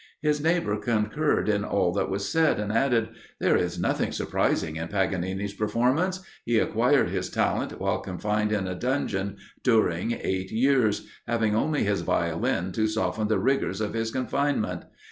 His neighbour concurred in all that was said, and added, 'There is nothing surprising in Paganini's performance he acquired his talent while confined in a dungeon during eight years, having only his Violin to soften the rigours of his confinement.